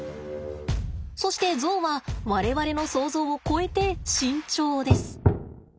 そしてゾウは我々の想ゾウを超えて慎重です。